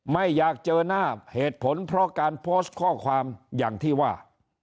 ไม่อยากเจอหน้าเหตุผลเพราะการโพสต์ข้อความอย่างที่ว่า